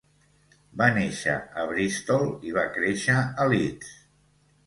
Va néixer a Bristol i va créixer a Leeds.